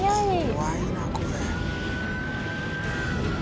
怖いなこれ。